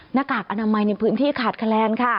หน้ากากอนามัยในพื้นที่ขาดแคลนค่ะ